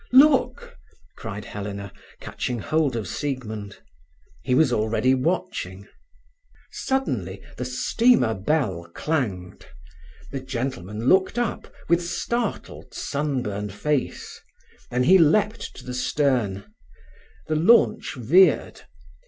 "Look!" cried Helena, catching hold of Siegmund. He was already watching. Suddenly the steamer bell clanged. The gentleman looked up, with startled, sunburned face; then he leaped to the stern. The launch veered.